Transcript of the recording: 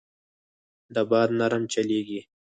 دا باد نرم چلېږي.